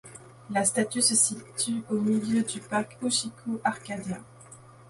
La statue se situe au milieu du parc Ushiku Arcadia.